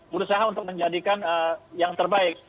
berusaha untuk menjadikan yang terbaik